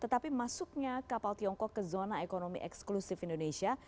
tetapi masuknya kapal tiongkok ke zona ekonomi eksklusif indonesia